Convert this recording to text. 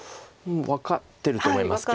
分かってると思いますけど。